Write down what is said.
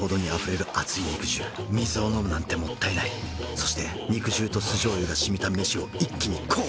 そして肉汁と酢醤油がしみた飯を一気にこう！